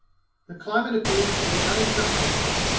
The climate appears to be unexceptionable.